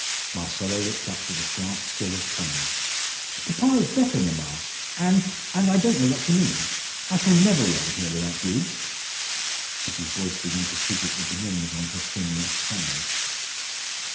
Marcella looked up with a sharp thrill of pain. "Papa is better, mamma, and and I don't know what you mean. I shall never reign here without you." Mrs. Boyce began to fidget with the rings on her thin left hand.